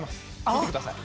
見てください。